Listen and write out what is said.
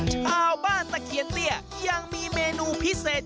ชาวบ้านตะเคียนเตี้ยยังมีเมนูพิเศษ